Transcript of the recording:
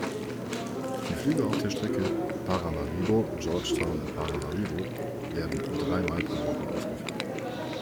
Die Flüge auf der Strecke Paramaribo–Georgetown–Paramaribo werden drei Mal pro Woche ausgeführt.